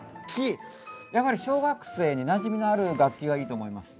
やはり小学生になじみのある楽器がいいと思います。